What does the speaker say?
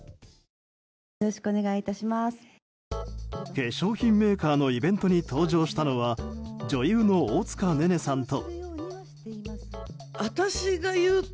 化粧品メーカーのイベントに登場したのは女優の大塚寧々さんと。